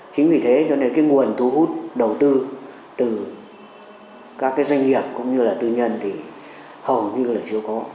chính vì thế cho nên cái nguồn thu hút đầu tư từ các cái doanh nghiệp cũng như là tư nhân thì hầu như là chưa có